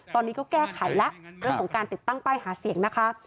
ตอนนี้ก็แก้ไขแล้วเรื่องของการติดตั้งป้ายหาเสียงนะคะ